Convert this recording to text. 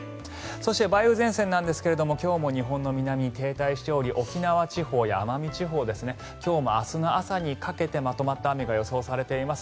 そして、梅雨前線なんですが今日も日本の南に停滞していまして沖縄地方や奄美地方今日から明日の朝にかけてまとまった雨が予想されています。